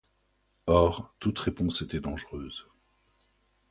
Or toute réponse était dangereuse.